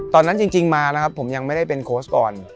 จริงมานะครับผมยังไม่ได้เป็นโค้ชก่อน